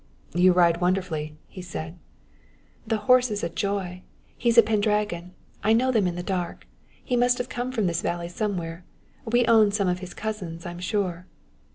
"You ride wonderfully," he said. "The horse is a joy. He's a Pendragon I know them in the dark. He must have come from this valley somewhere. We own some of his cousins, I'm sure."